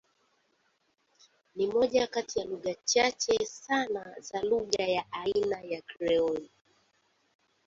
Ni moja kati ya Wikipedia chache sana za lugha ya aina ya Krioli.